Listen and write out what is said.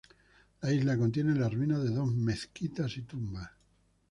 La isla contiene las ruinas de dos mezquitas y tumbas.